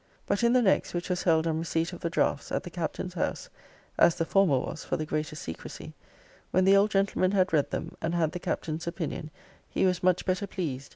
'But in the next, which was held on receipt of the draughts, at the Captain's house, (as the former was, for the greater secrecy,) when the old gentleman had read them, and had the Captain's opinion, he was much better pleased.